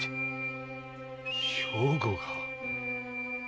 兵庫が⁉